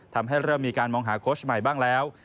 ทำให้เริ่มมีการมองหาโค้ชใหม่บ้างแล้ว